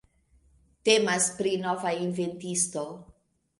Temas pri nova inventisto.